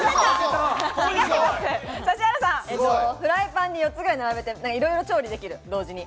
フライパンに４つぐらい並べていろいろ調理できる、同時に。